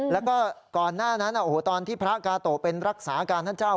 แล้วก็ก่อนหน้านั้นตอนที่พระกาโตะเป็นรักษาการท่านเจ้า